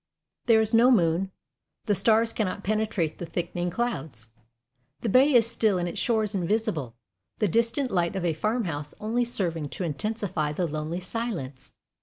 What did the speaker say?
There is no moon. The stars cannot penetrate the thickening clouds. The bay is still and its shores invisible, the distant light of a farmhouse only serving to intensify the lonely silence.